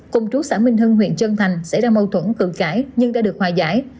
cùng chú xã minh hưng huyện trân thành xảy ra mâu thuẫn cự cãi nhưng đã được hòa giải